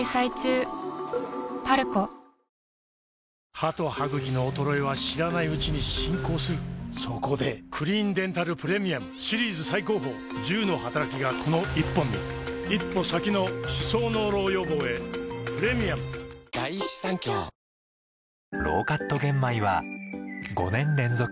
歯と歯ぐきの衰えは知らないうちに進行するそこで「クリーンデンタルプレミアム」シリーズ最高峰１０のはたらきがこの１本に一歩先の歯槽膿漏予防へプレミアム息子が ＫＵＭＯＮ を始めた